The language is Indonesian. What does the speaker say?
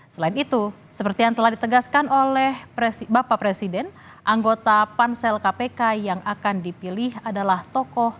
selain itu seperti yang telah ditegaskan oleh bapak presiden anggota pansel kpk yang akan dipilih adalah tokoh